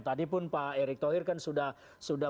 tadipun pak erik tohir kan sudah